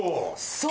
そう！